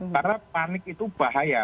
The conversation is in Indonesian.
karena panik itu bahaya